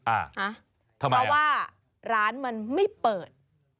อ่าทำไมอ่ะเพราะว่าร้านมันไม่เปิด